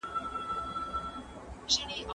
يوه سپي مېچنه څټله، بل ئې کونه څټله.